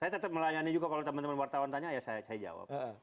saya tetap melayani juga kalau teman teman wartawan tanya ya saya jawab